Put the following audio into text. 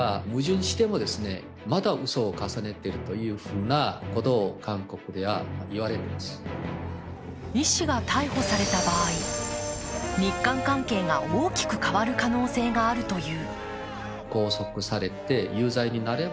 しかし、その評判はイ氏が逮捕された場合、日韓関係が大きく変わる可能性があるという。